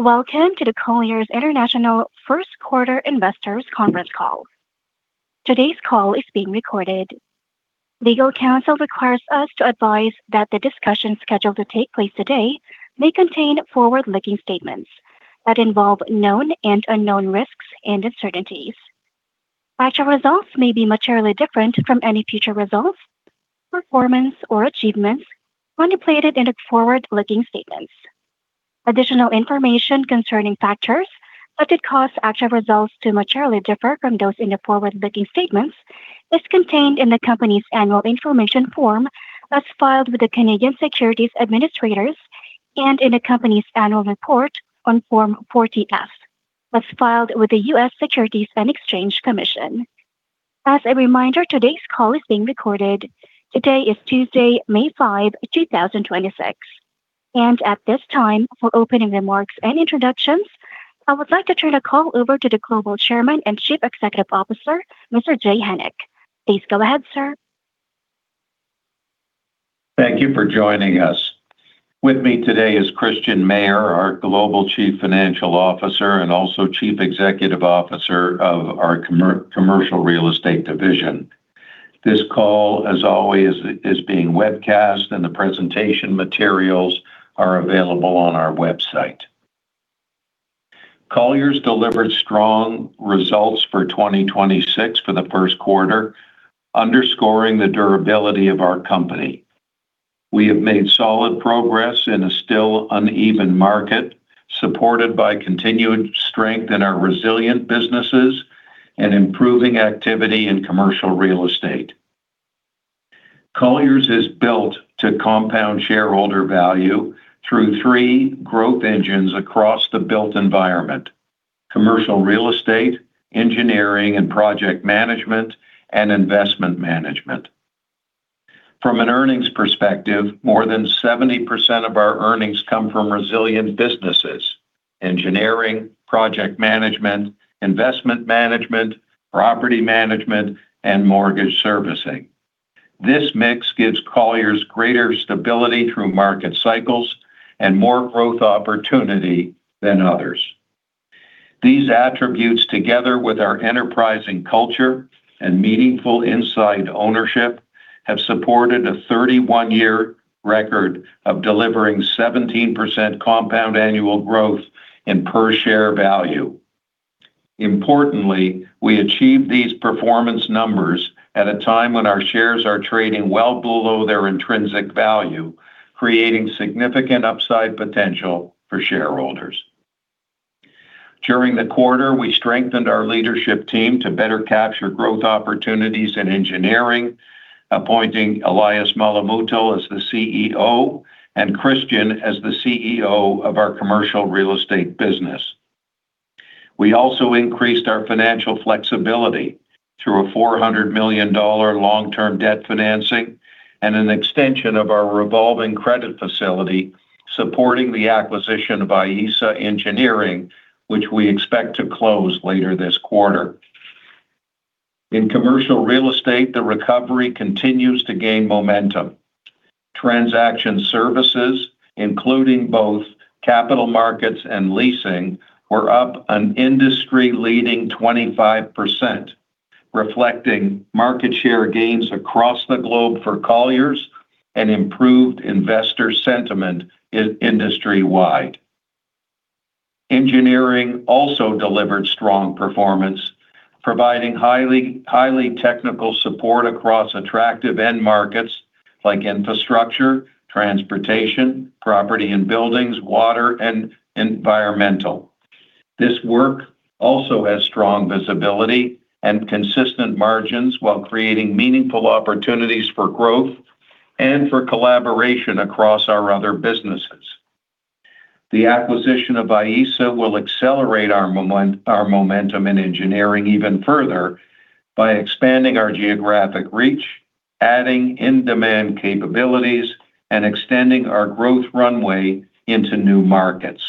Welcome to the Colliers International First Quarter Investors Conference Call. Today's call is being recorded. Legal counsel requires us to advise that the discussion scheduled to take place today may contain forward-looking statements that involve known and unknown risks and uncertainties. Actual results may be materially different from any future results, performance, or achievements when you play it in the forward-looking statements. Additional information concerning factors that could cause actual results to materially differ from those in the forward-looking statements is contained in the company's annual information form as filed with the Canadian Securities Administrators and in the company's Annual Report on Form 40-F, as filed with the U.S. Securities and Exchange Commission. As a reminder, today's call is being recorded. Today is Tuesday, May 5, 2026. At this time, for opening remarks and introductions, I would like to turn the call over to the Global Chairman and Chief Executive Officer, Mr. Jay Hennick. Please go ahead, sir. Thank you for joining us. With me today is Christian Mayer, our Global Chief Financial Officer and also Chief Executive Officer of our Commercial Real Estate division. This call, as always, is being webcast, and the presentation materials are available on our website. Colliers delivered strong results for 2026 for the first quarter, underscoring the durability of our company. We have made solid progress in a still uneven market, supported by continued strength in our resilient businesses and improving activity in commercial real estate. Colliers is built to compound shareholder value through three growth engines across the built environment: Commercial Real Estate, Engineering and Project management, and Investment Management. From an earnings perspective, more than 70% of our earnings come from resilient businesses, engineering, project management, investment management, property management, and mortgage servicing. This mix gives Colliers greater stability through market cycles and more growth opportunity than others. These attributes, together with our enterprising culture and meaningful inside ownership, have supported a 31-year record of delivering 17% compound annual growth in per share value. Importantly, we achieve these performance numbers at a time when our shares are trading well below their intrinsic value, creating significant upside potential for shareholders. During the quarter, we strengthened our leadership team to better capture growth opportunities in engineering, appointing Elias Mulamoottil as the CEO and Christian as the CEO of our commercial real estate business. We also increased our financial flexibility through a $400 million long-term debt financing and an extension of our revolving credit facility supporting the acquisition of Ayesa Engineering, which we expect to close later this quarter. In commercial real estate, the recovery continues to gain momentum. Transaction services, including both Capital Markets and Leasing, were up an industry-leading 25%, reflecting market share gains across the globe for Colliers and improved investor sentiment industry-wide. Engineering also delivered strong performance, providing highly technical support across attractive end markets like infrastructure, transportation, property and buildings, water, and environmental. This work also has strong visibility and consistent margins while creating meaningful opportunities for growth and for collaboration across our other businesses. The acquisition of Ayesa will accelerate our momentum in engineering even further by expanding our geographic reach, adding in-demand capabilities, and extending our growth runway into new markets.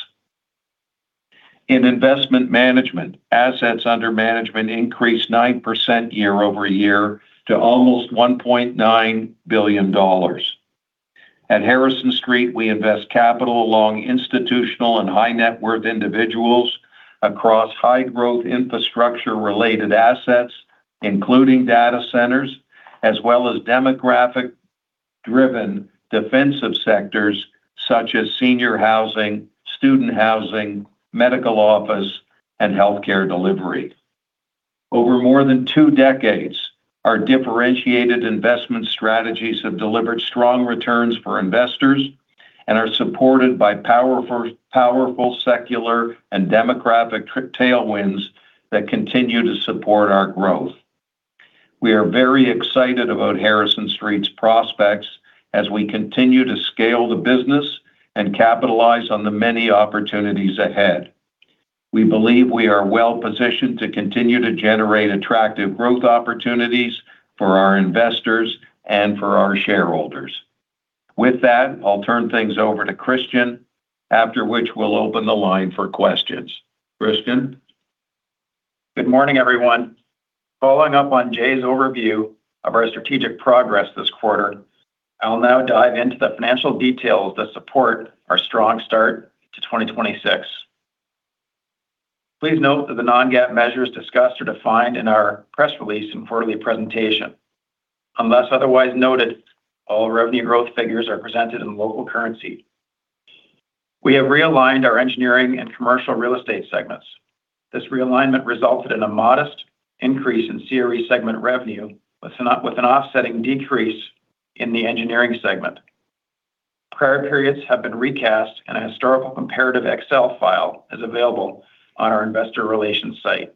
In investment management, assets under management increased 9% year-over-year to almost $1.9 billion. At Harrison Street, we invest capital along institutional and high net worth individuals across high growth infrastructure-related assets, including data centers as well as demographic-driven defensive sectors such as senior housing, student housing, medical office, and healthcare delivery. Over more than two decades, our differentiated investment strategies have delivered strong returns for investors and are supported by powerful secular and demographic tailwinds that continue to support our growth. We are very excited about Harrison Street's prospects as we continue to scale the business and capitalize on the many opportunities ahead. We believe we are well-positioned to continue to generate attractive growth opportunities for our investors and for our shareholders. With that, I'll turn things over to Christian, after which we'll open the line for questions. Christian? Good morning, everyone. Following up on Jay's overview of our strategic progress this quarter, I will now dive into the financial details that support our strong start to 2026. Please note that the non-GAAP measures discussed are defined in our press release and quarterly presentation. Unless otherwise noted, all revenue growth figures are presented in local currency. We have realigned our Engineering and Commercial Real Estate segments. This realignment resulted in a modest increase in CRE segment revenue with an offsetting decrease in the Engineering segment. Prior periods have been recast, and a historical comparative Excel file is available on our Investor Relations site.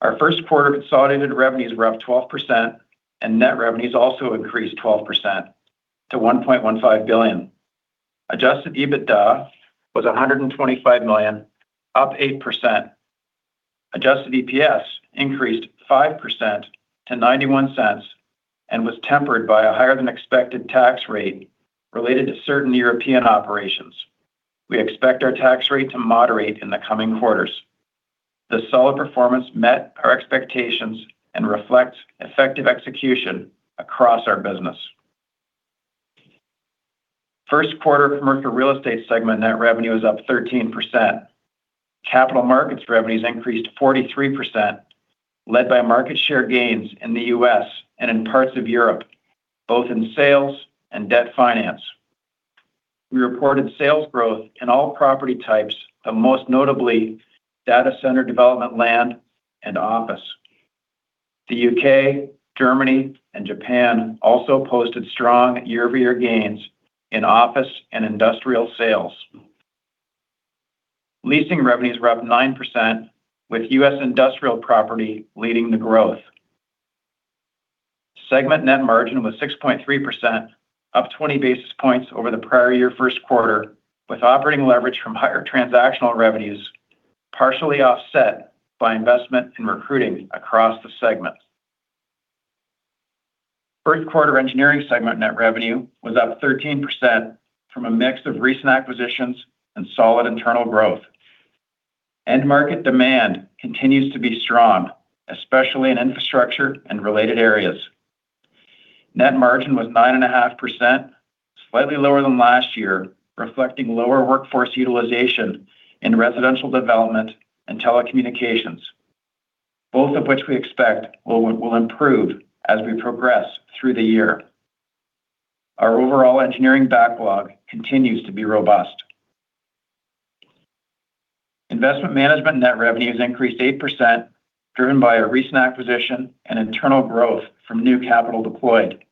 Our first quarter consolidated revenues were up 12%. Net revenues also increased 12% to $1.15 billion. Adjusted EBITDA was $125 million, up 8%. Adjusted EPS increased 5% to $0.91 and was tempered by a higher than expected tax rate related to certain European operations. We expect our tax rate to moderate in the coming quarters. The solid performance met our expectations and reflects effective execution across our business. First quarter Commercial Real Estate segment net revenue is up 13%. Capital markets revenues increased 43%, led by market share gains in the U.S. and in parts of Europe, both in sales and debt finance. We reported sales growth in all property types, but most notably data center development land and office. The U.K., Germany, and Japan also posted strong year-over-year gains in office and industrial sales. Leasing revenues were up 9% with U.S. industrial property leading the growth. Segment net margin was 6.3%, up 20 basis points over the prior year first quarter with operating leverage from higher transactional revenues, partially offset by investment in recruiting across the segments. First quarter Engineering segment net revenue was up 13% from a mix of recent acquisitions and solid internal growth. End market demand continues to be strong, especially in infrastructure and related areas. Net margin was 9.5%, slightly lower than last year, reflecting lower workforce utilization in residential development and telecommunications, both of which we expect will improve as we progress through the year. Our overall engineering backlog continues to be robust. Investment management net revenues increased 8%, driven by a recent acquisition and internal growth from new capital deployed.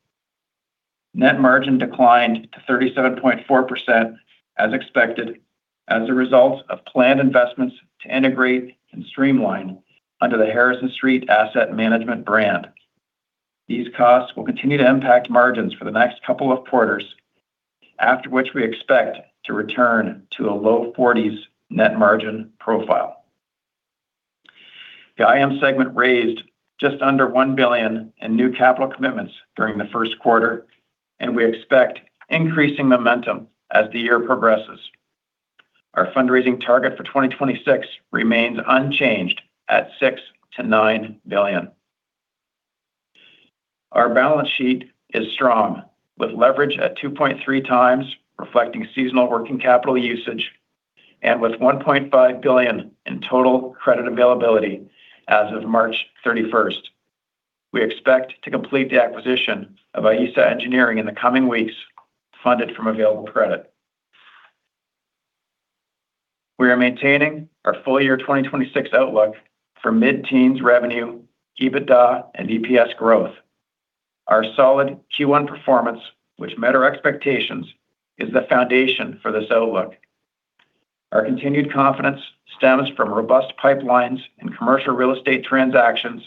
Net margin declined to 37.4% as expected as a result of planned investments to integrate and streamline under the Harrison Street Asset Management brand. These costs will continue to impact margins for the next couple of quarters, after which we expect to return to a low 40%s net margin profile. The IM segment raised just under $1 billion in new capital commitments during the first quarter. We expect increasing momentum as the year progresses. Our fundraising target for 2026 remains unchanged at $6 billion-$9 billion. Our balance sheet is strong with leverage at 2.3x reflecting seasonal working capital usage and with $1.5 billion in total credit availability as of March 31st. We expect to complete the acquisition of Ayesa Engineering in the coming weeks, funded from available credit. We are maintaining our full year 2026 outlook for mid-teens revenue, EBITDA, and EPS growth. Our solid Q1 performance, which met our expectations, is the foundation for this outlook. Our continued confidence stems from robust pipelines in commercial real estate transactions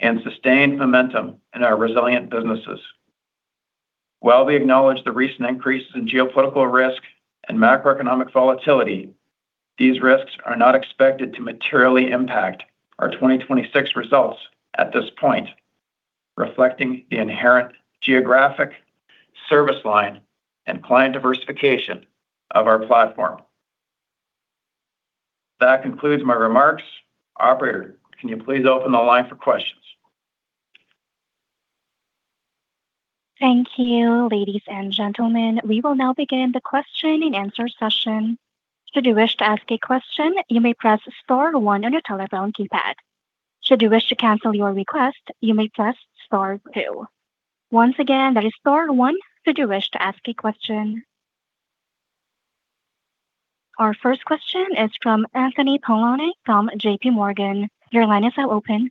and sustained momentum in our resilient businesses. While we acknowledge the recent increases in geopolitical risk and macroeconomic volatility, these risks are not expected to materially impact our 2026 results at this point, reflecting the inherent geographic service line and client diversification of our platform. That concludes my remarks. Operator, can you please open the line for questions? Thank you. Ladies and gentlemen, we will now begin the question-and-answer session. Should you wish to ask a question, you may press star one on your telephone keypad. Should you wish to cancel your request, you may press star two. Once again, that is star one should you wish to ask a question. Our first question is from Anthony Paolone from JPMorgan. Your line is now open.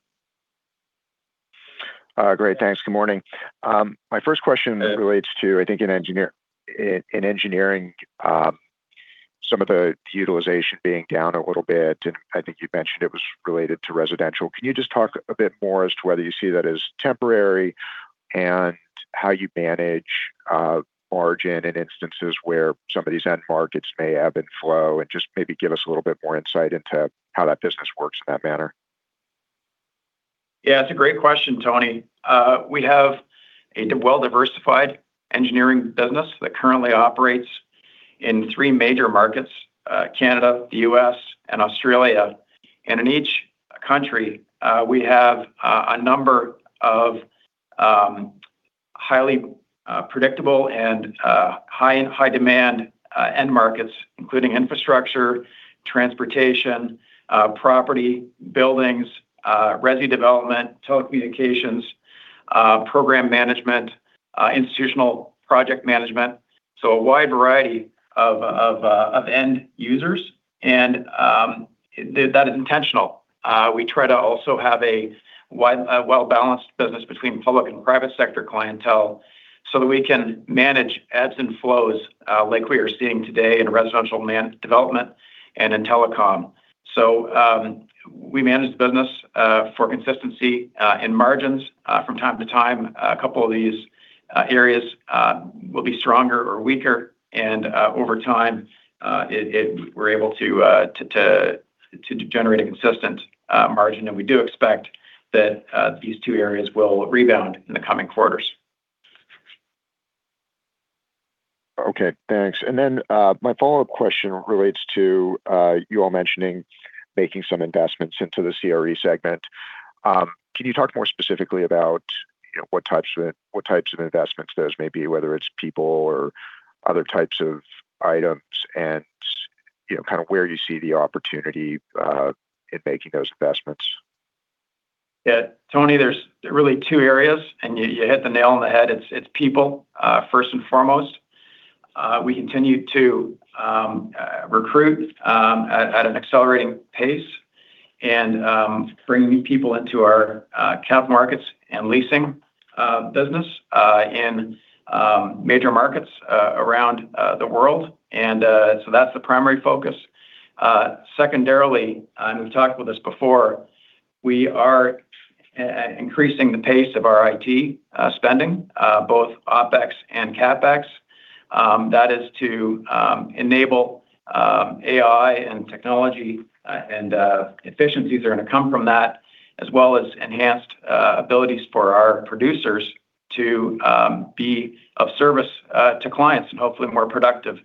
Great. Thanks. Good morning. My first question relates to, I think in Engineering, some of the utilization being down a little bit, and I think you mentioned it was related to Residential. Can you just talk a bit more as to whether you see that as temporary and how you manage margin in instances where some of these end markets may ebb and flow? Just maybe give us a little bit more insight into how that business works in that manner. Yeah, it's a great question, Tony. We have a well diversified Engineering business that currently operates in three major markets, Canada, the U.S., and Australia. In each country, we have a number of highly predictable and high demand end markets, including infrastructure, transportation, property, buildings, resi development, telecommunications, program management, institutional project management. A wide variety of end users and that is intentional. We try to also have a well-balanced business between public and private sector clientele so that we can manage ebbs and flows, like we are seeing today in residential development and in telecom. We manage the business for consistency in margins from time to time. A couple of these areas will be stronger or weaker, and over time, we're able to generate a consistent margin. We do expect that these two areas will rebound in the coming quarters. Okay. Thanks. My follow-up question relates to you all mentioning making some investments into the CRE segment. Can you talk more specifically about, you know, what types of investments those may be, whether it's people or other types of items, and, you know, kind of where you see the opportunity in making those investments? Yeah. Tony, there's really two areas, and you hit the nail on the head. It's people first and foremost. We continue to recruit at an accelerating pace and bring new people into our Cap Markets and Leasing business in major markets around the world. That's the primary focus. Secondarily, and we've talked about this before, we are increasing the pace of our IT spending, both OpEx and CapEx. That is to enable AI and technology, and efficiencies are gonna come from that, as well as enhanced abilities for our producers to be of service to clients and hopefully more productive.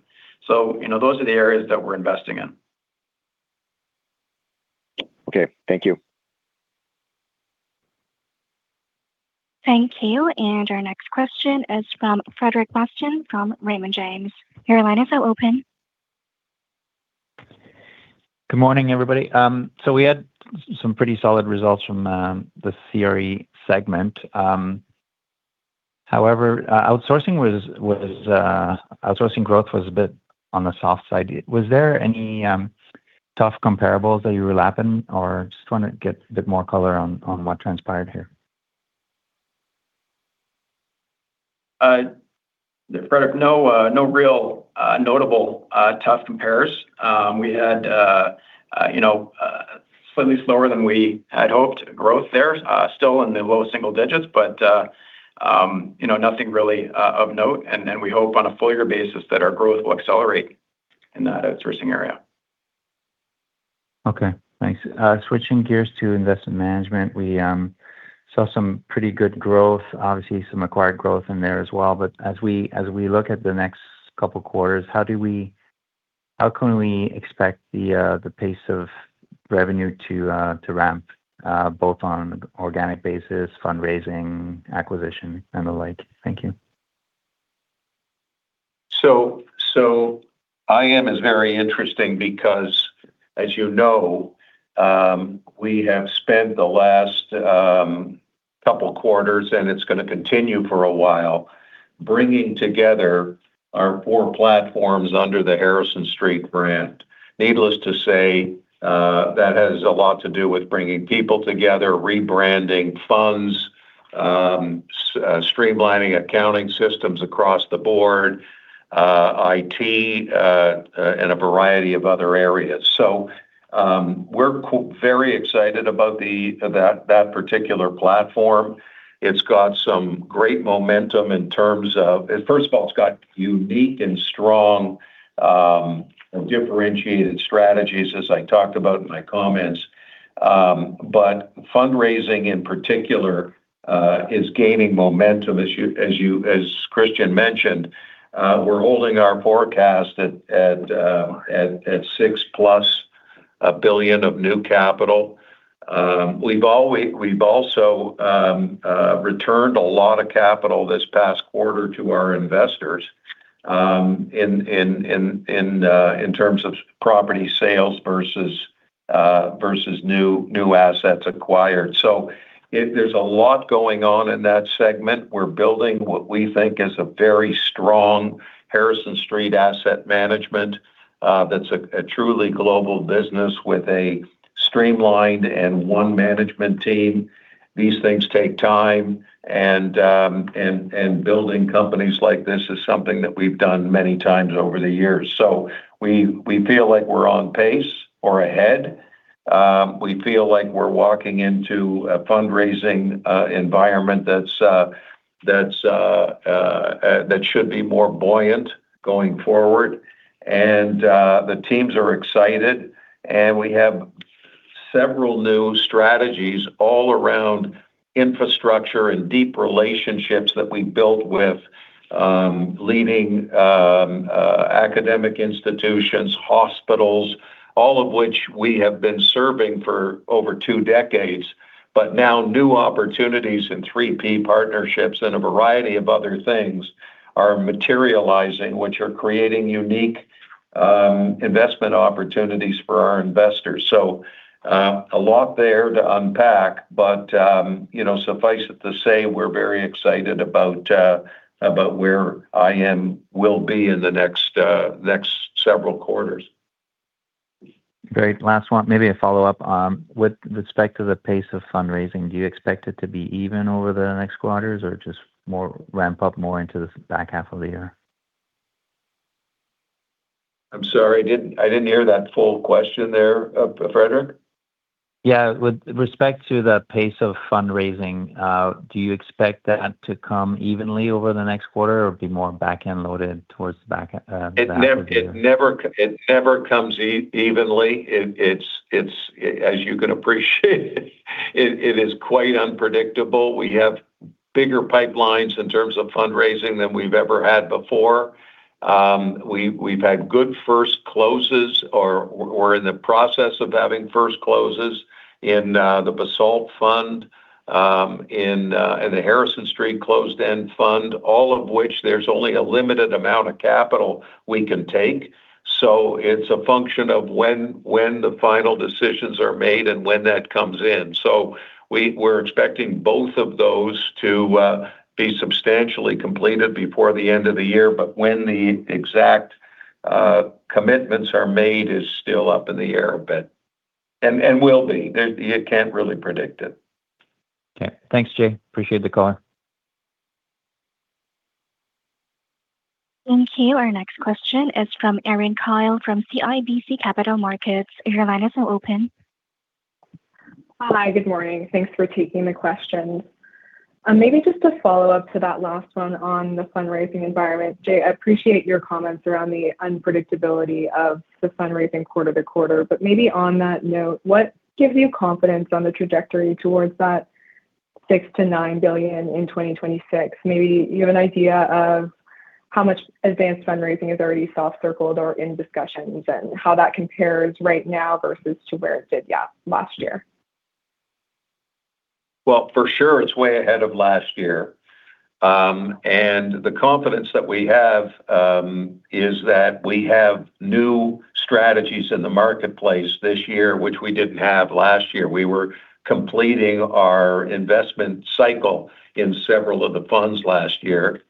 You know, those are the areas that we're investing in. Okay. Thank you. Thank you. Our next question is from Frederic Bastien from Raymond James. Your line is now open. Good morning, everybody. We had some pretty solid results from the CRE segment. However, outsourcing growth was a bit on the soft side. Was there any tough comparables that you were lapping? Just wanna get a bit more color on what transpired here. Frederic, no real, notable, tough compares. We had, you know, slightly slower than we had hoped growth there, still in the low single digits, but, you know, nothing really of note. We hope on a full year basis that our growth will accelerate in that outsourcing area. Okay. Thanks. Switching gears to Investment Management. We saw some pretty good growth, obviously some acquired growth in there as well. As we look at the next couple quarters, how can we expect the pace of revenue to ramp both on organic basis, fundraising, acquisition, and the like? Thank you. IM is very interesting because as you know, we have spent the last couple quarters, and it is going to continue for a while, bringing together our four platforms under the Harrison Street brand. Needless to say, that has a lot to do with bringing people together, rebranding funds, streamlining accounting systems across the board, IT, and a variety of other areas. We are very excited about that particular platform. It has some great momentum. First of all, it has unique and strong, differentiated strategies as I talked about in my comments. Fundraising in particular is gaining momentum as Christian mentioned. We are holding our forecast at $6+ billion of new capital. We've also returned a lot of capital this past quarter to our investors in terms of property sales versus new assets acquired. There's a lot going on in that segment. We're building what we think is a very strong Harrison Street Asset Management, that's a truly global business with a streamlined and one management team. These things take time and building companies like this is something that we've done many times over the years. We feel like we're on pace or ahead. We feel like we're walking into a fundraising environment that should be more buoyant going forward. The teams are excited, and we have several new strategies all around infrastructure and deep relationships that we built with leading academic institutions, hospitals, all of which we have been serving for over two decades. Now new opportunities and 3P partnerships and a variety of other things are materializing, which are creating unique investment opportunities for our investors. A lot there to unpack, but, you know, suffice it to say, we're very excited about where IM will be in the next several quarters. Great. Last one, maybe a follow-up. With respect to the pace of fundraising, do you expect it to be even over the next quarters or just more ramp-up more into the back half of the year? I'm sorry. I didn't hear that full question there, Frederic. Yeah. With respect to the pace of fundraising, do you expect that to come evenly over the next quarter or be more back-end loaded towards the back of the year? It never comes evenly. It's as you can appreciate, it is quite unpredictable. We have bigger pipelines in terms of fundraising than we've ever had before. We've had good first closes or we're in the process of having first closes in the Basalt Fund, in the Harrison Street closed-end fund, all of which there's only a limited amount of capital we can take. It's a function of when the final decisions are made and when that comes in. We're expecting both of those to be substantially completed before the end of the year. When the exact commitments are made is still up in the air a bit, and will be. You can't really predict it. Okay. Thanks, Jay. Appreciate the color. Thank you. Our next question is from Erin Kyle from CIBC Capital Markets. Your line is now open. Hi. Good morning. Thanks for taking the questions. Maybe just a follow-up to that last one on the fundraising environment. Jay, I appreciate your comments around the unpredictability of the fundraising quarter to quarter. Maybe on that note, what gives you confidence on the trajectory towards that $6 billion-$9 billion in 2026? Maybe you have an idea of how much advanced fundraising is already soft-circled or in discussions and how that compares right now versus to where it did yeah, last year. Well, for sure, it's way ahead of last year. The confidence that we have is that we have new strategies in the marketplace this year, which we didn't have last year. We were completing our investment cycle in several of the funds last year.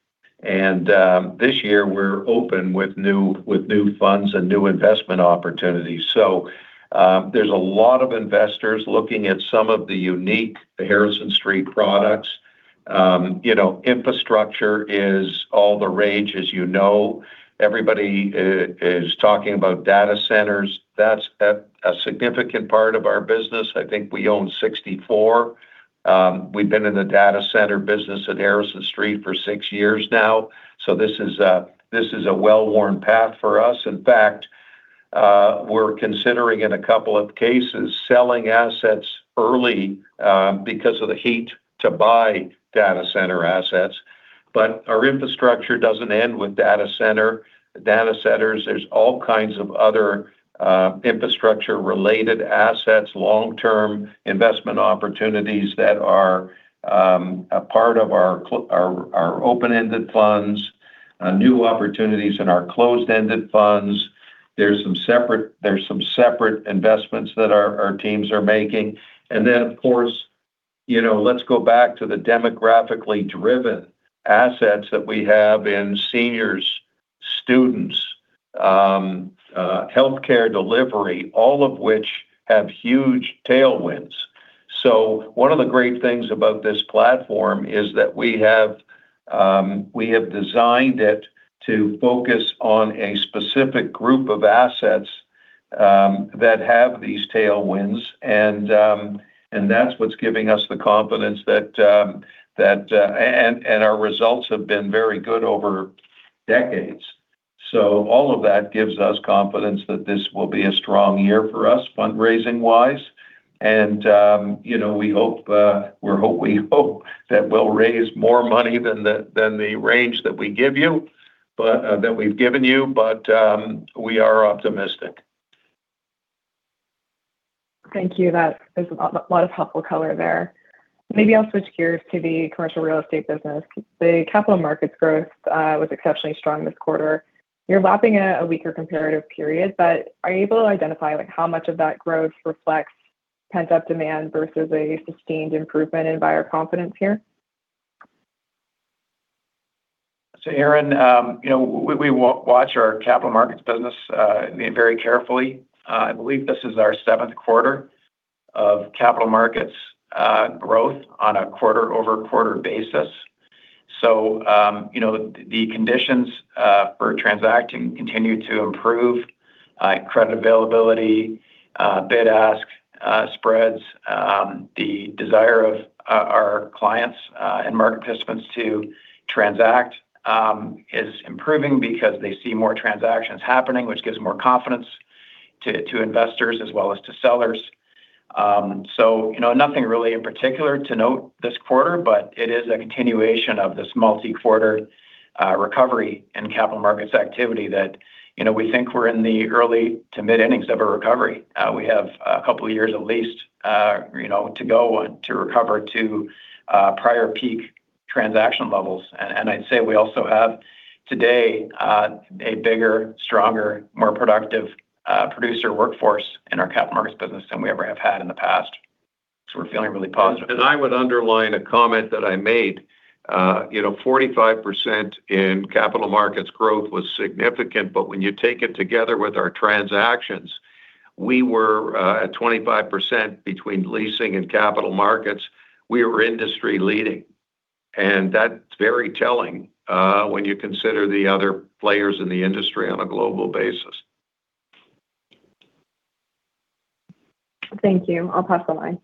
This year we're open with new funds and new investment opportunities. There's a lot of investors looking at some of the unique Harrison Street products. You know, infrastructure is all the rage, as you know. Everybody is talking about data centers. That's a significant part of our business. I think we own 64. We've been in the data center business at Harrison Street for six years now. This is a well-worn path for us. In fact, we're considering in a couple of cases, selling assets early, because of the heat to buy data center assets. Our infrastructure doesn't end with data centers. There's all kinds of other infrastructure-related assets, long-term investment opportunities that are a part of our open-ended funds, new opportunities in our closed-ended funds. There's some separate investments that our teams are making. Of course, you know, let's go back to the demographically driven assets that we have in seniors, students, healthcare delivery, all of which have huge tailwinds. One of the great things about this platform is that we have designed it to focus on a specific group of assets that have these tailwinds. That's what's giving us the confidence that our results have been very good over decades. All of that gives us confidence that this will be a strong year for us, fundraising-wise. You know, we hope that we'll raise more money than the range that we give you, that we've given you. We are optimistic. Thank you. That is a lot of helpful color there. Maybe I'll switch gears to the commercial real estate business. The capital markets growth was exceptionally strong this quarter. You're lapping a weaker comparative period, but are you able to identify, like, how much of that growth reflects pent-up demand versus a sustained improvement in buyer confidence here? Erin, you know, we watch our Capital Markets business very carefully. I believe this is our seventh quarter of capital markets growth on a quarter-over-quarter basis. You know, the conditions for transacting continue to improve. Credit availability, bid-ask spreads, the desire of our clients and market participants to transact is improving because they see more transactions happening, which gives more confidence to investors as well as to sellers. You know, nothing really in particular to note this quarter, but it is a continuation of this multi-quarter recovery in capital markets activity that, you know, we think we're in the early to mid-innings of a recovery. We have a couple of years at least, you know, to go to recover to prior peak transaction levels. I'd say we also have today a bigger, stronger, more productive producer workforce in our capital markets business than we ever have had in the past. We're feeling really positive. I would underline a comment that I made. You know, 45% in Capital Markets growth was significant, but when you take it together with our transactions, we were at 25% between Leasing and Capital Markets. We were industry-leading. That's very telling, when you consider the other players in the industry on a global basis. Thank you. I'll pass the line.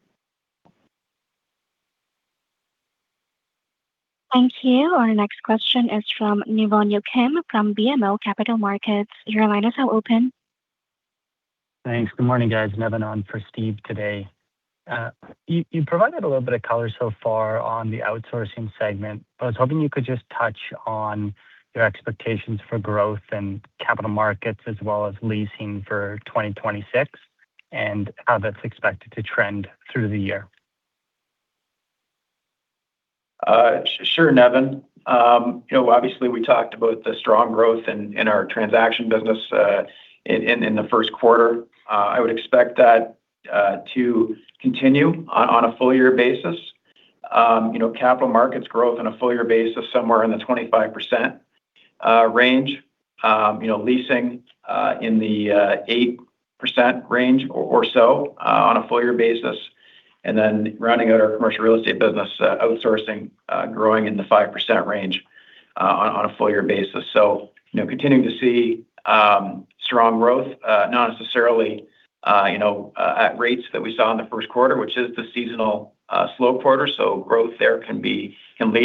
Thank you. Our next question is from Nevan Yochim from BMO Capital Markets. Thanks. Good morning, guys. Nevan on for Steve today. You provided a little bit of color so far on the outsourcing segment, but I was hoping you could just touch on your expectations for growth and Capital Markets as well as Leasing for 2026 and how that's expected to trend through the year. Sure, Nevan. You know, obviously, we talked about the strong growth in our transaction business in the first quarter. I would expect that to continue on a full year basis. You know, capital markets growth on a full year basis somewhere in the 25% range. You know, leasing in the 8% range or so on a full year basis. Rounding out our commercial real estate business, outsourcing, growing in the 5% range on a full year basis. You know, continuing to see strong growth, not necessarily, you know, at rates that we saw in the first quarter, which is the seasonal slow quarter. Growth there can lead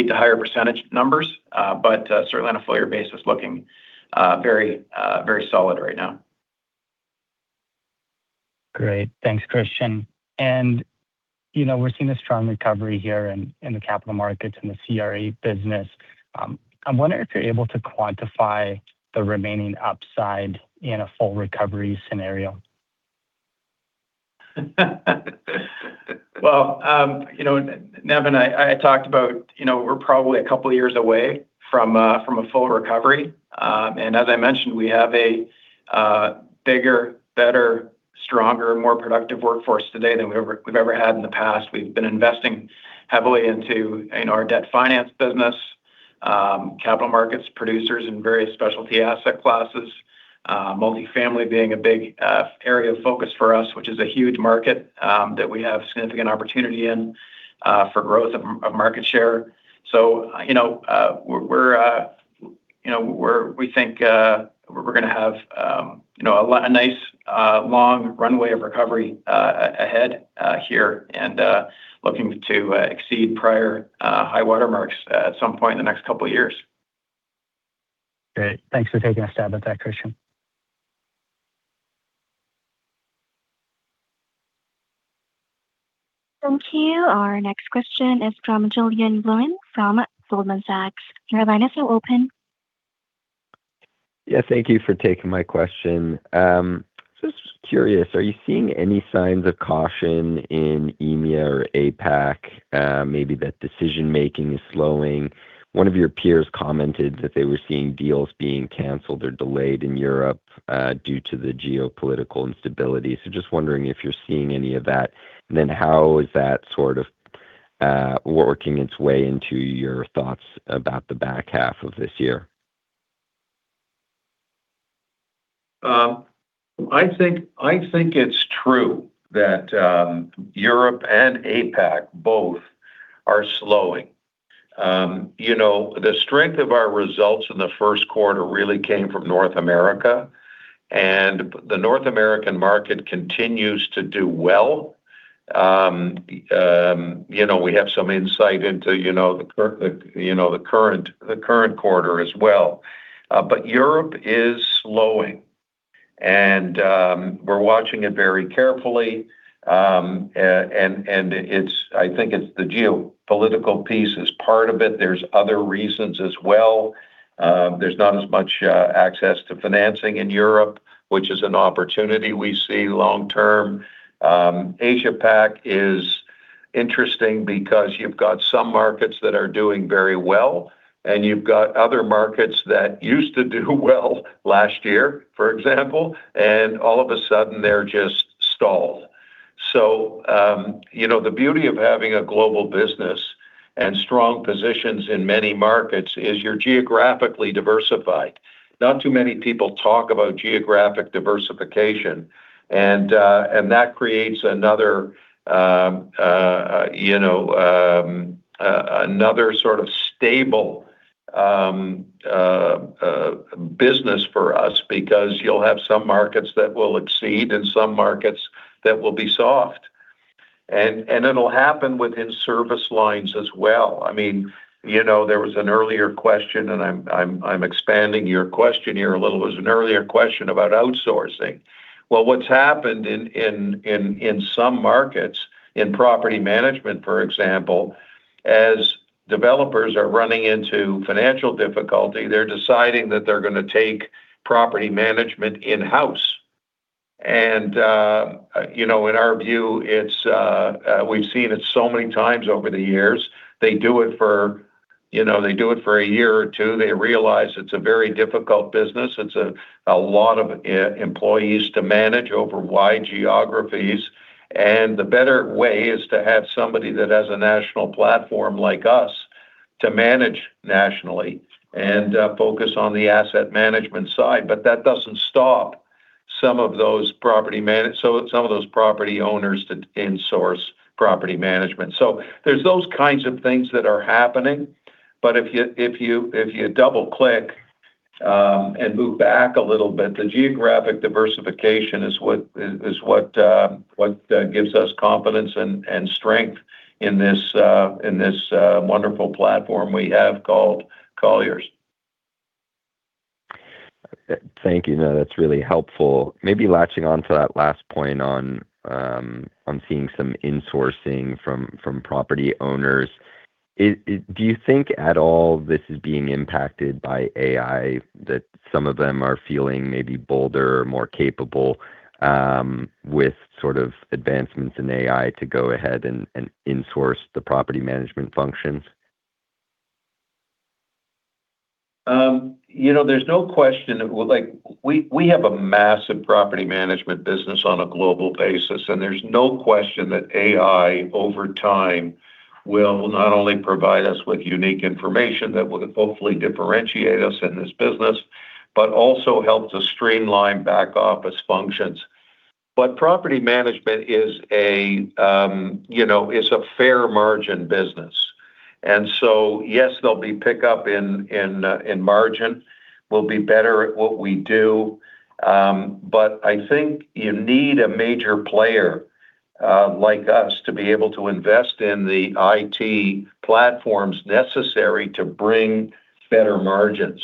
to higher percentage numbers, but certainly on a full year basis looking, very solid right now. Great. Thanks, Christian. You know, we're seeing a strong recovery here in the Capital Markets in the CRE business. I'm wondering if you're able to quantify the remaining upside in a full recovery scenario. Well, you know, Nevan, I talked about, you know, we're probably a couple of years away from a full recovery. As I mentioned, we have a bigger, better, stronger, more productive workforce today than we've ever had in the past. We've been investing heavily into in our debt finance business, capital markets, producers in various specialty asset classes, multifamily being a big area of focus for us, which is a huge market that we have significant opportunity in for growth of market share. You know, we're, you know, we think we're going to have, you know, a nice long runway of recovery ahead here and looking to exceed prior high water marks at some point in the next couple of years. Great. Thanks for taking a stab at that, Christian. Thank you. Our next question is from Julien Blouin from Goldman Sachs. Your line is now open. Yeah, thank you for taking my question. Just curious, are you seeing any signs of caution in EMEA or APAC? Maybe that decision-making is slowing. One of your peers commented that they were seeing deals being canceled or delayed in Europe due to the geopolitical instability. Just wondering if you're seeing any of that. How is that sort of working its way into your thoughts about the back half of this year? I think it's true that Europe and APAC both are slowing. You know, the strength of our results in the first quarter really came from North America, and the North American market continues to do well. You know, we have some insight into, you know, the current quarter as well. Europe is slowing, and we're watching it very carefully. I think it's the geopolitical piece is part of it. There's other reasons as well. There's not as much access to financing in Europe, which is an opportunity we see long term. Asia Pac is interesting because you've got some markets that are doing very well, and you've got other markets that used to do well last year, for example, and all of a sudden they're just stalled. You know, the beauty of having a global business and strong positions in many markets is you're geographically diversified. Not too many people talk about geographic diversification, and that creates another, you know, another sort of stable business for us because you'll have some markets that will exceed and some markets that will be soft. It'll happen within service lines as well. I mean, you know, there was an earlier question, and I'm expanding your question here a little. There was an earlier question about outsourcing. What's happened in some markets, in property management, for example, as developers are running into financial difficulty, they're deciding that they're gonna take property management in-house. You know, in our view, it's, we've seen it so many times over the years. They do it for, you know, they do it for a year or two. They realize it's a very difficult business. It's a lot of employees to manage over wide geographies. The better way is to have somebody that has a national platform like us to manage nationally and focus on the asset management side. That doesn't stop some of those property owners to insource property management. There's those kinds of things that are happening. If you double-click, and move back a little bit, the geographic diversification is what gives us confidence and strength in this wonderful platform we have called Colliers. Thank you. No, that's really helpful. Maybe latching on to that last point on seeing some insourcing from property owners, do you think at all this is being impacted by AI, that some of them are feeling maybe bolder or more capable, with sort of advancements in AI to go ahead and insource the property management functions? You know, there's no question. Like we have a massive property management business on a global basis, and there's no question that AI over time will not only provide us with unique information that will hopefully differentiate us in this business, but also help to streamline back office functions. Property management is a, you know, is a fair margin business. Yes, there'll be pickup in margin. We'll be better at what we do. I think you need a major player, like us to be able to invest in the IT platforms necessary to bring better margins.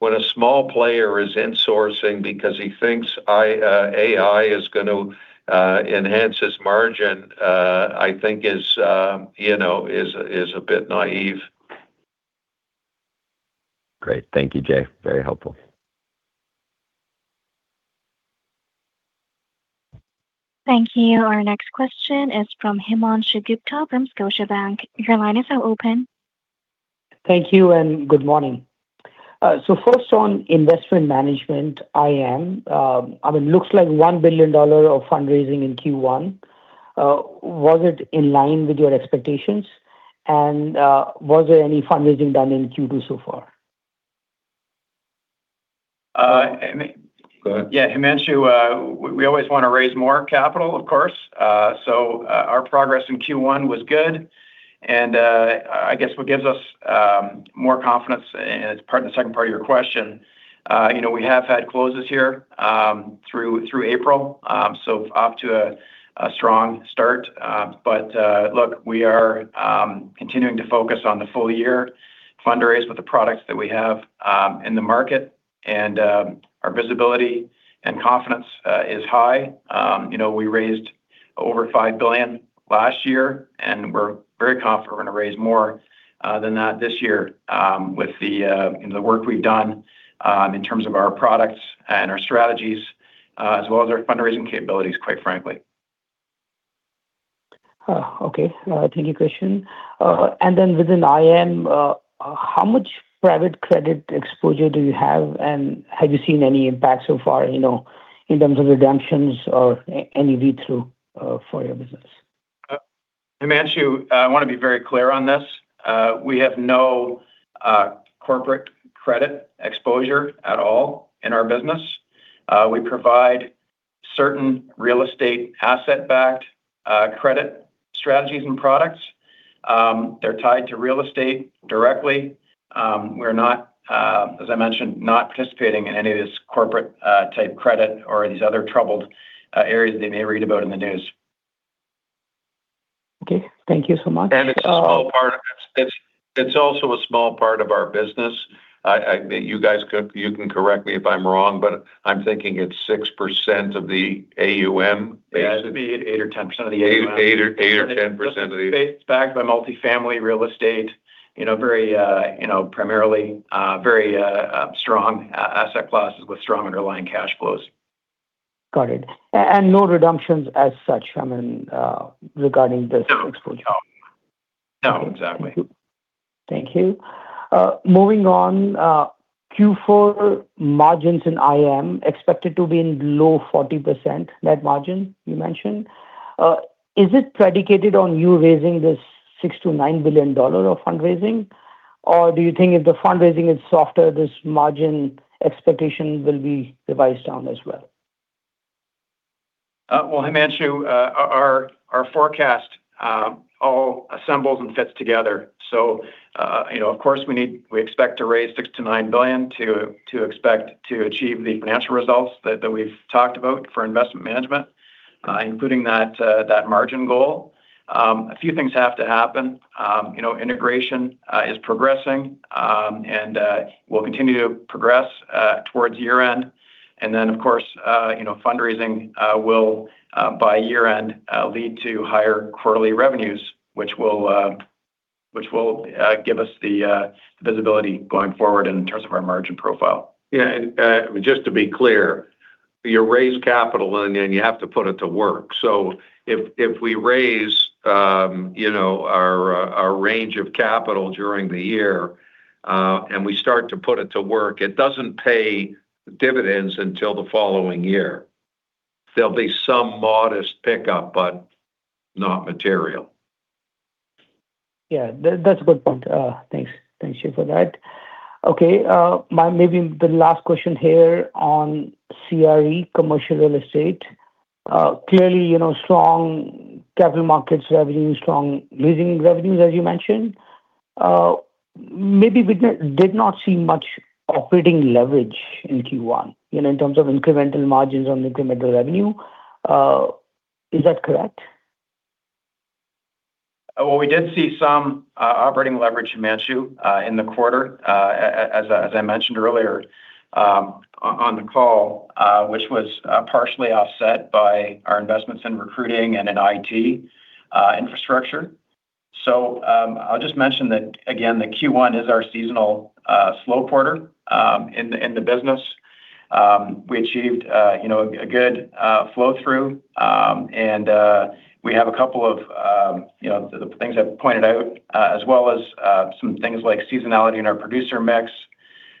When a small player is insourcing because he thinks AI is gonna enhance his margin, I think is, you know, is a bit naive. Great. Thank you, Jay. Very helpful. Thank you. Our next question is from Himanshu Gupta from Scotiabank. Your line is now open. Thank you. Good morning. I mean, looks like $1 billion of fundraising in Q1. Was it in line with your expectations? Was there any fundraising done in Q2 so far? Uh, I mean- Go ahead. Yeah, Himanshu, we always wanna raise more capital, of course. Our progress in Q1 was good. I guess what gives us more confidence, and it's the second part of your question, you know, we have had closes here through April, so off to a strong start. Look, we are continuing to focus on the full year fundraise with the products that we have in the market. Our visibility and confidence is high. You know, we raised over $5 billion last year, and we're very confident we're gonna raise more than that this year with the work we've done in terms of our products and our strategies, as well as our fundraising capabilities, quite frankly. Okay. Thank you, Christian. Then within IM, how much private credit exposure do you have you seen any impact so far, you know, in terms of redemptions or any V2 for your business? Himanshu, I wanna be very clear on this. We have no corporate credit exposure at all in our business. We provide certain real estate asset-backed credit strategies and products. They're tied to real estate directly. We're not, as I mentioned, not participating in any of this corporate type credit or these other troubled areas that you may read about in the news. Okay. Thank you so much. It's a small part of it. It's also a small part of our business. You guys, you can correct me if I'm wrong, but I'm thinking it's 6% of the AUM. Yeah, it'd be 8% or 10% of the AUM. 8% or 10% of the. It's backed by multifamily real estate, you know, very, you know, primarily, very, strong asset classes with strong underlying cash flows. Got it. No redemptions as such, I mean, regarding this exposure. No. No. No, exactly. Thank you. Moving on. Q4 margins in IM expected to be in low 40% net margin, you mentioned. Is it predicated on you raising this $6 billion-$9 billion of fundraising, or do you think if the fundraising is softer, this margin expectation will be revised down as well? Himanshu, our forecast all assembles and fits together. We expect to raise $6 billion-$9 billion to expect to achieve the financial results that we've talked about for investment management, including that margin goal. A few things have to happen. Integration is progressing and will continue to progress towards year-end. Fundraising will by year-end lead to higher quarterly revenues, which will give us the visibility going forward in terms of our margin profile. Yeah. Just to be clear, you raise capital, and then you have to put it to work. If we raise, you know, our range of capital during the year, and we start to put it to work, it doesn't pay dividends until the following year. There'll be some modest pickup, but not material. Yeah. That's a good point. Thanks. Thank you for that. Okay, maybe the last question here on CRE, Commercial Real Estate. Clearly, you know, strong capital markets revenue, strong leasing revenues, as you mentioned. Maybe business did not see much operating leverage in Q1, you know, in terms of incremental margins on incremental revenue. Is that correct? Well, we did see some operating leverage, Himanshu, as I mentioned earlier on the call, which was partially offset by our investments in recruiting and in IT infrastructure. I'll just mention that, again, the Q1 is our seasonal slow quarter in the business. We achieved, you know, a good flow through, and we have a couple of, you know, the things I've pointed out, as well as some things like seasonality in our producer mix,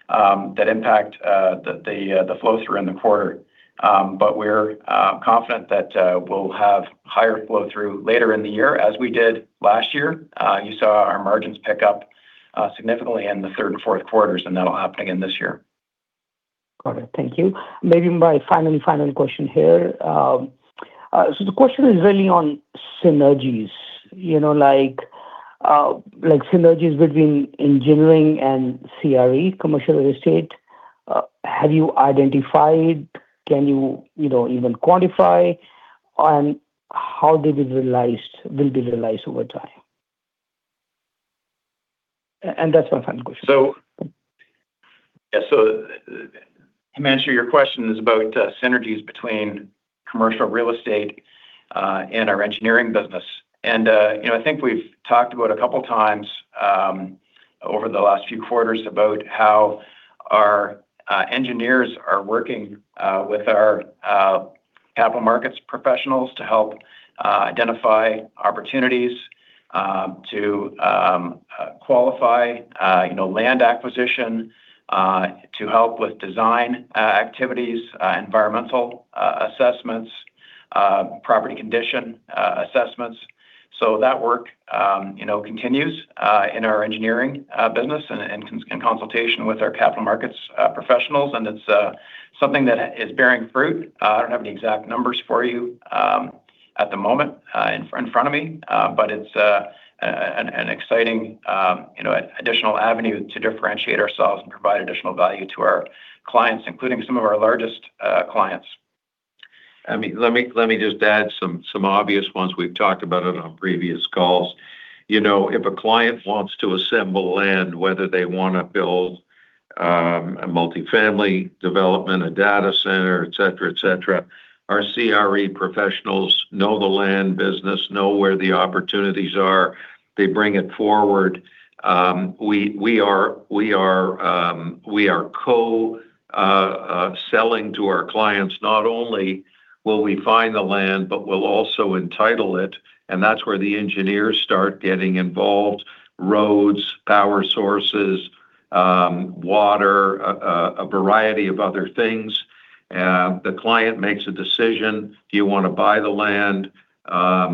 that impact the flow through in the quarter. We're confident that we'll have higher flow through later in the year as we did last year. You saw our margins pick up significantly in the third and fourth quarters, and that'll happen again this year. Got it. Thank you. Maybe my final question here. The question is really on synergies. You know, like synergies between Engineering and CRE, Commercial Real Estate. Have you identified? Can you know, even quantify? How will they be realized over time? That's my final question. Yeah. Himanshu, your question is about synergies between Commercial Real Estate and our Engineering business. You know, I think we've talked about a couple times over the last few quarters about how our engineers are working with our capital markets professionals to help identify opportunities to qualify, you know, land acquisition, to help with design activities, environmental assessments, property condition assessments. That work, you know, continues in our engineering business and in consultation with our capital markets professionals, and it's something that is bearing fruit. I don't have any exact numbers for you at the moment in front of me. It's an exciting, you know, additional avenue to differentiate ourselves and provide additional value to our clients, including some of our largest clients. I mean, let me just add some obvious ones. We've talked about it on previous calls. You know, if a client wants to assemble land, whether they wanna build a multifamily development, a data center, et cetera, et cetera, our CRE professionals know the land business, know where the opportunities are. They bring it forward. We are selling to our clients, not only will we find the land, but we'll also entitle it, and that's where the engineers start getting involved. Roads, power sources, water, a variety of other things. The client makes a decision. Do you wanna buy the land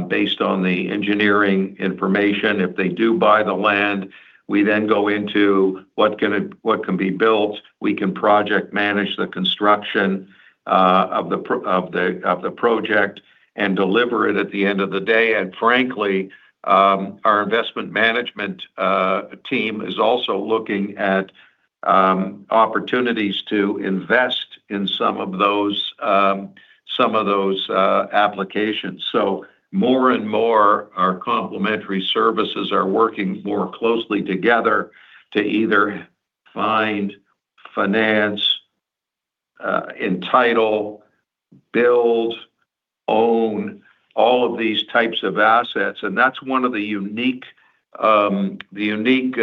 based on the engineering information? If they do buy the land, we then go into what can be built. We can project manage the construction of the project and deliver it at the end of the day. Frankly, our investment management team is also looking at opportunities to invest in some of those, some of those applications. More and more, our complementary services are working more closely together to either find, finance, entitle, build, own all of these types of assets. That's one of the unique, the unique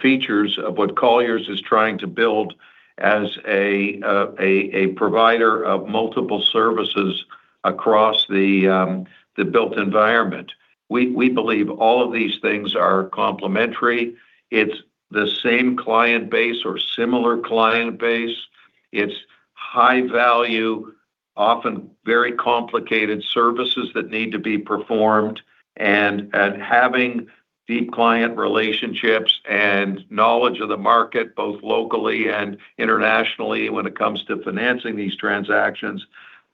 features of what Colliers is trying to build as a provider of multiple services across the built environment. We believe all of these things are complementary. It's the same client base or similar client base. It's high value, often very complicated services that need to be performed. Deep client relationships and knowledge of the market, both locally and internationally, when it comes to financing these transactions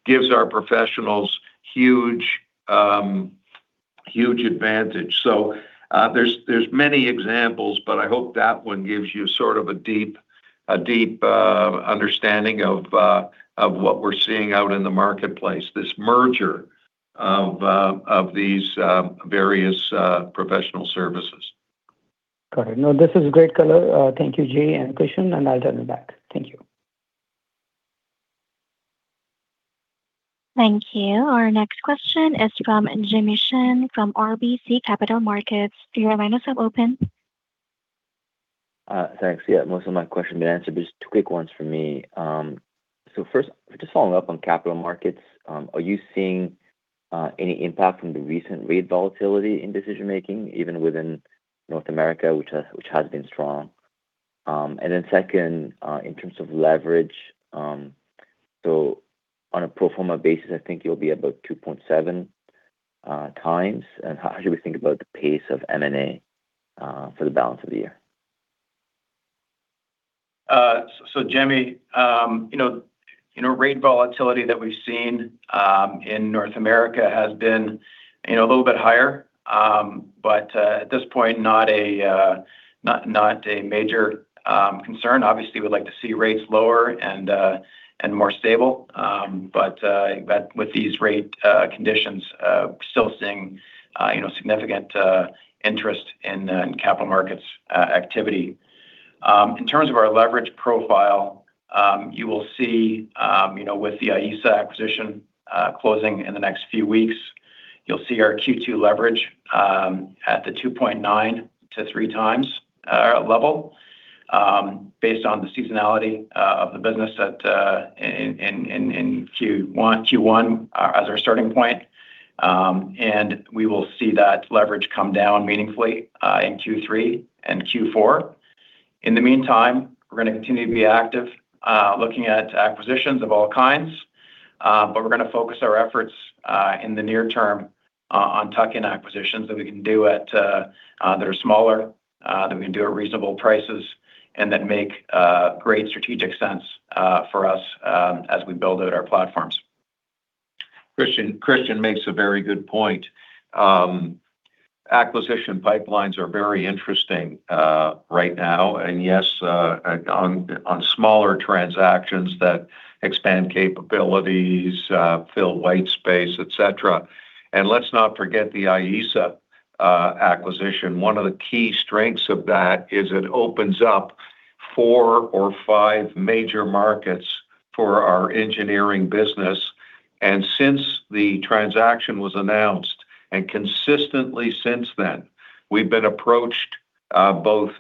gives our professionals huge advantage. There's many examples, but I hope that one gives you sort of a deep understanding of what we're seeing out in the marketplace, this merger of these various professional services. Got it. No, this is great color. Thank you, Jay and Christian, and I'll turn it back. Thank you. Thank you. Our next question is from Jimmy Shan from RBC Capital Markets. Your line is now open. Thanks. Yeah, most of my questions have been answered, but just two quick ones from me. First, just following up on capital markets, are you seeing any impact from the recent rate volatility in decision-making, even within North America, which has been strong? Then second, in terms of leverage, on a pro forma basis, I think you'll be about 2.7x. How should we think about the pace of M&A for the balance of the year? Jimmy, rate volatility that we've seen in North America has been a little bit higher. At this point, not a major concern. Obviously, we'd like to see rates lower and more stable. With these rate conditions, we're still seeing significant interest in capital markets activity. In terms of our leverage profile, you will see with the Ayesa acquisition closing in the next few weeks, you'll see our Q2 leverage at the 2.9x to 3x level based on the seasonality of the business at Q1 as our starting point. We will see that leverage come down meaningfully in Q3 and Q4. In the meantime, we're gonna continue to be active looking at acquisitions of all kinds. We're gonna focus our efforts in the near term on tuck-in acquisitions that are smaller that we can do at reasonable prices, and that make great strategic sense for us as we build out our platforms. Christian makes a very good point. Acquisition pipelines are very interesting right now. Yes, on smaller transactions that expand capabilities, fill white space, et cetera. Let's not forget the Ayesa acquisition. One of the key strengths of that is it opens up four or five major markets for our engineering business. Since the transaction was announced, and consistently since then, we've been approached, both,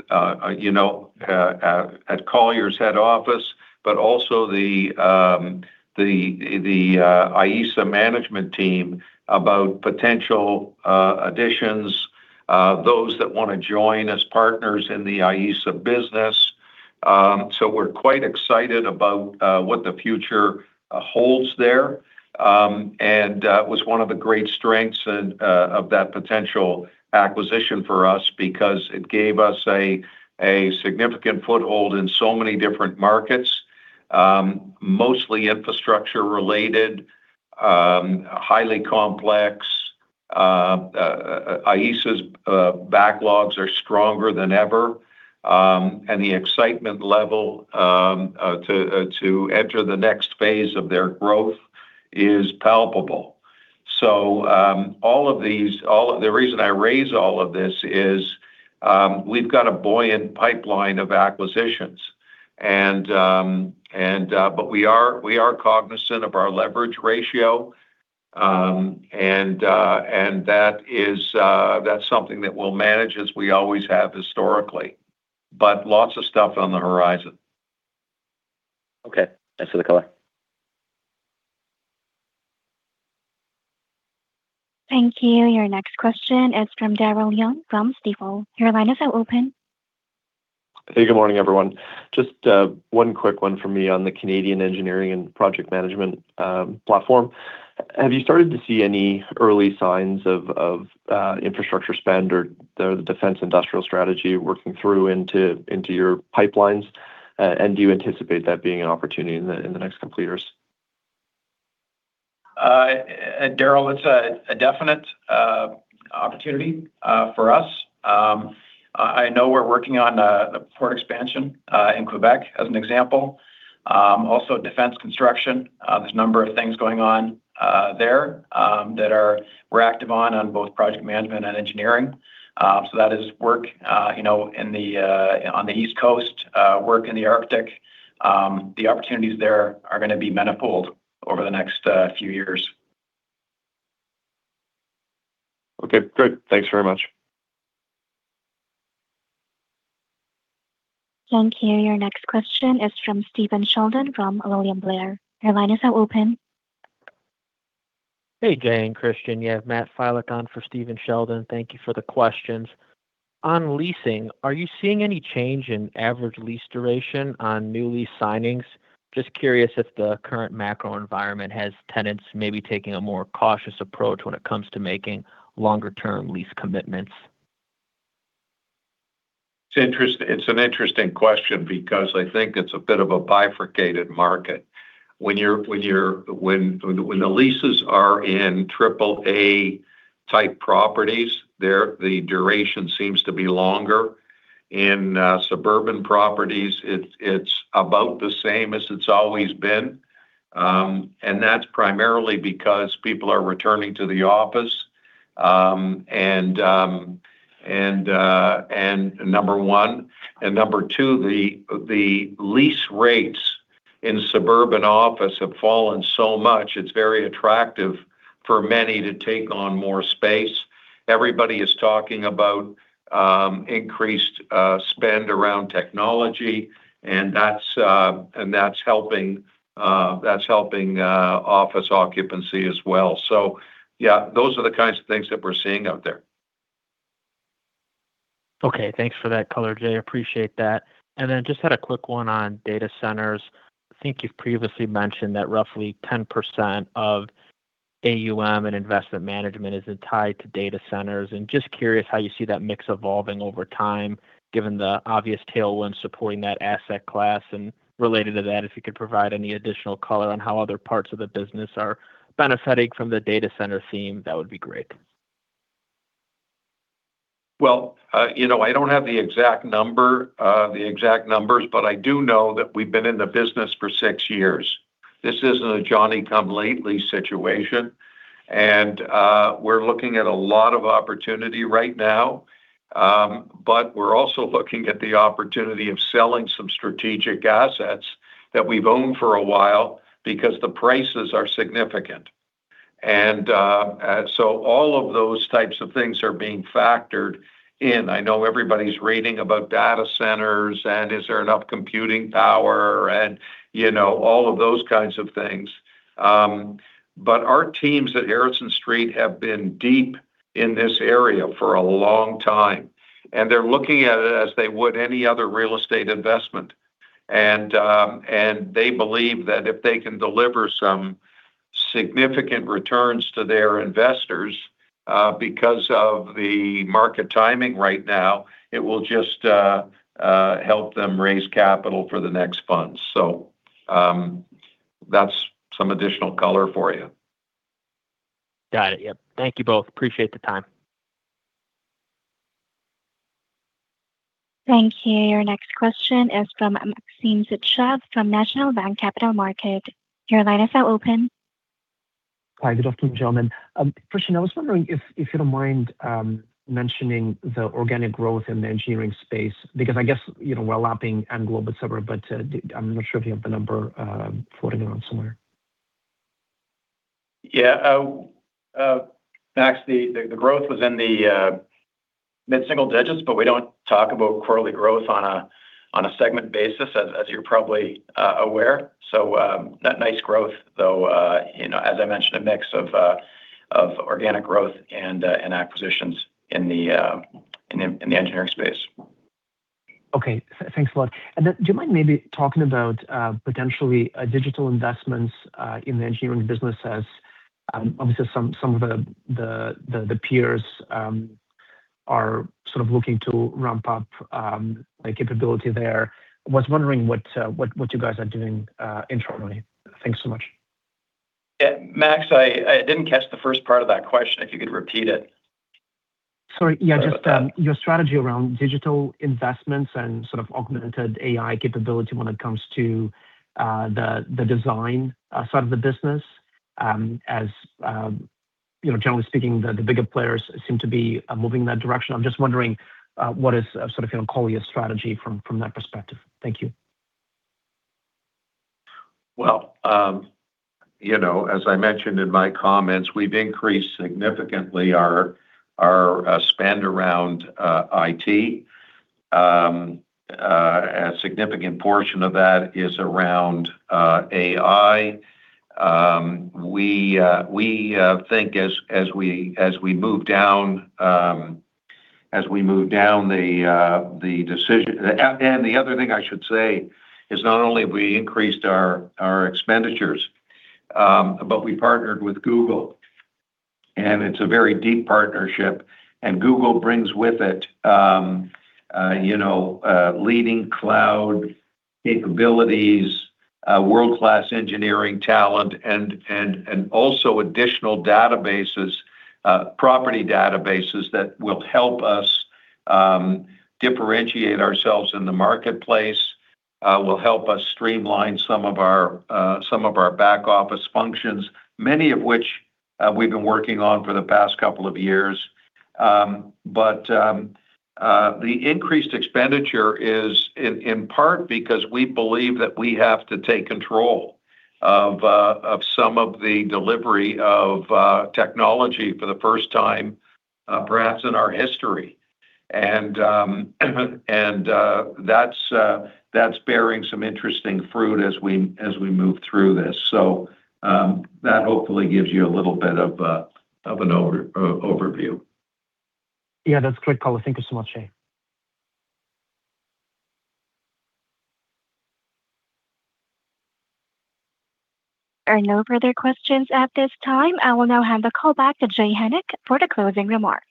you know, at Colliers head office, but also the Ayesa management team about potential additions, those that wanna join as partners in the Ayesa business. We're quite excited about what the future holds there. It was one of the great strengths of that potential acquisition for us because it gave us a significant foothold in so many different markets, mostly infrastructure related, highly complex. Ayesa's backlogs are stronger than ever. The excitement level to enter the next phase of their growth is palpable. The reason I raise all of this is, we've got a buoyant pipeline of acquisitions. We are cognizant of our leverage ratio, and that is that's something that we'll manage as we always have historically. Lots of stuff on the horizon. Okay. Thanks for the color. Thank you. Your next question is from Daryl Young from Stifel. Your line is now open. Hey, good morning, everyone. Just, one quick one for me on the Canadian engineering and project management, platform. Have you started to see any early signs of infrastructure spend or the defense industrial strategy working through into your pipelines? Do you anticipate that being an opportunity in the next complete years? Daryl, it's a definite opportunity for us. I know we're working on the port expansion in Quebec as an example. Also defense construction. There's a number of things going on there, we're active on both project management and engineering. That is work, you know, in the on the East Coast, work in the Arctic. The opportunities there are gonna be manifold over the next few years. Okay, great. Thanks very much. Thank you. Your next question is from Stephen Sheldon from William Blair. Your line is now open. Hey, Jay and Christian. You have Matt Filek on for Stephen Sheldon. Thank you for the questions. On leasing, are you seeing any change in average lease duration on new lease signings? Just curious if the current macro environment has tenants maybe taking a more cautious approach when it comes to making longer term lease commitments. It's an interesting question because I think it's a bit of a bifurcated market. When the leases are in triple A type properties, the duration seems to be longer. In suburban properties, it's about the same as it's always been. That's primarily because people are returning to the office, and number one. Number two, the lease rates in suburban office have fallen so much, it's very attractive for many to take on more space. Everybody is talking about increased spend around technology, that's helping office occupancy as well. Yeah, those are the kinds of things that we're seeing out there. Okay. Thanks for that color, Jay. Appreciate that. Then just had a quick one on data centers. I think you've previously mentioned that roughly 10% of AUM and investment management is tied to data centers. Just curious how you see that mix evolving over time, given the obvious tailwind supporting that asset class. Related to that, if you could provide any additional color on how other parts of the business are benefiting from the data center theme, that would be great. Well, you know, I don't have the exact number, the exact numbers, but I do know that we've been in the business for six years. This isn't a Johnny-come-lately situation. We're looking at a lot of opportunity right now. We're also looking at the opportunity of selling some strategic assets that we've owned for a while because the prices are significant. All of those types of things are being factored in. I know everybody's reading about data centers, and is there enough computing power and, you know, all of those kinds of things. Our teams at Harrison Street have been deep in this area for a long time, and they're looking at it as they would any other real estate investment. They believe that if they can deliver some significant returns to their investors, because of the market timing right now, it will just help them raise capital for the next funds. That's some additional color for you. Got it. Yep. Thank you both. Appreciate the time. Thank you. Your next question is from Maxim Sytchev from National Bank Capital Markets. Your line is now open. Hi, good afternoon, gentlemen. Christian, I was wondering if you don't mind, mentioning the organic growth in the engineering space. I guess, you know, we're lapping and global et cetera, but, I'm not sure if you have the number, floating around somewhere. Yeah. Max, the growth was in the mid-single digits, but we don't talk about quarterly growth on a segment basis, as you're probably aware. That nice growth though, you know, as I mentioned, a mix of organic growth and acquisitions in the engineering space. Okay. Thanks a lot. Do you mind maybe talking about potentially digital investments in the Engineering business as obviously some of the peers are sort of looking to ramp up the capability there. I was wondering what you guys are doing internally. Thanks so much. Yeah, Max, I didn't catch the first part of that question, if you could repeat it. Sorry. Yeah, just your strategy around digital investments and sort of augmented AI capability when it comes to the design side of the business. You know, generally speaking, the bigger players seem to be moving that direction. I'm just wondering what is sort of, you know, Colliers' strategy from that perspective. Thank you. Well, you know, as I mentioned in my comments, we've increased significantly our spend around IT. A significant portion of that is around AI. We think as we move down the decision-- The other thing I should say is not only have we increased our expenditures, but we partnered with Google, and it's a very deep partnership. Google brings with it, you know, leading cloud capabilities, world-class engineering talent, and also additional databases, property databases that will help us differentiate ourselves in the marketplace, will help us streamline some of our back office functions, many of which we've been working on for the past couple of years. The increased expenditure is in part because we believe that we have to take control of some of the delivery of technology for the first time, perhaps in our history. That's bearing some interesting fruit as we move through this. That hopefully gives you a little bit of an over-overview. Yeah, that's great color. Thank you so much Jay. There are no further questions at this time. I will now hand the call back to Jay Hennick for the closing remarks.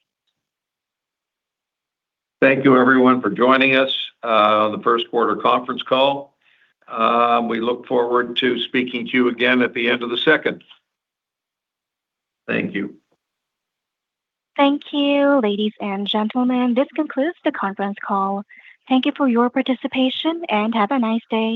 Thank you everyone for joining us on the first quarter conference call. We look forward to speaking to you again at the end of the second. Thank you. Thank you, ladies and gentlemen. This concludes the conference call. Thank you for your participation, and have a nice day.